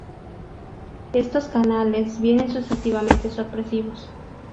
Estos canales vienen sucesivamente sorpresivos.